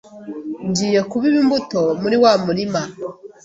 ngiye kubiba imbuto muri wa murima,